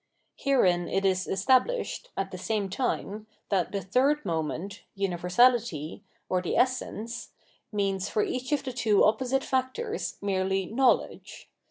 Herein it is established, at the same time, that the third moment, universality, or the essence, means for each of the two opposite factors merely knowledge.